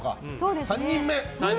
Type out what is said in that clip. ３人目。